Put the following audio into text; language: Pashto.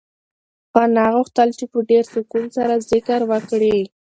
انا غوښتل چې په ډېر سکون سره ذکر وکړي.